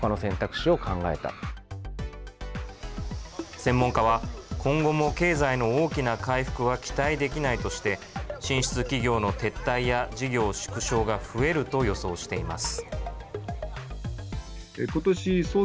専門家は今後も経済の大きな回復は期待できないとして進出企業の撤退や事業縮小が増えると予想しています。